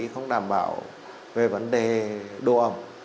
không đảm bảo về vấn đề đô ẩm